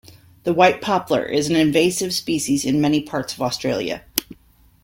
The white poplar is an invasive species in many parts of Australia.